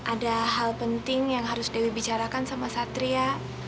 ada hal penting yang harus dewi bicarakan sama satria